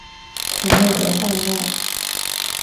卡内德萨拉尔。